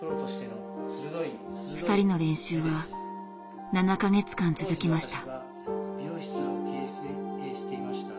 ２人の練習は７か月間続きました。